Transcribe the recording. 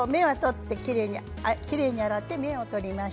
きれいに洗って芽を取ってあります。